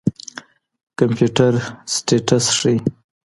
کمپيوټر سټېټس ښيي.